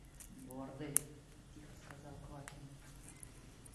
– Гордый, – тихо сказал Квакин.